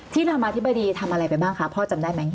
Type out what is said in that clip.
รามาธิบดีทำอะไรไปบ้างคะพ่อจำได้ไหม